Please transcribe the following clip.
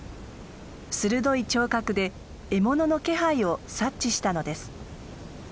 鋭い聴覚で獲物の気配を察知したのです。